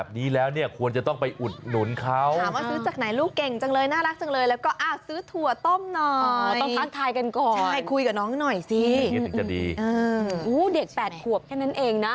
เด็ก๘ขวบแค่นั้นเองนะ